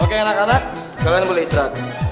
oke anak anak kalian boleh istirahatkan